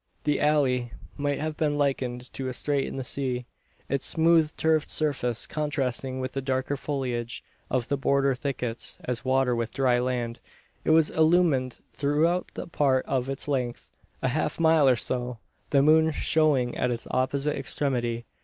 The alley might have been likened to a strait in the sea: its smooth turfed surface contrasting with the darker foliage of the bordering thickets; as water with dry land. It was illumined throughout a part of its length a half mile or so the moon showing at its opposite extremity.